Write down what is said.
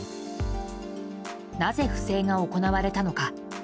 なぜ不正が行われたのか。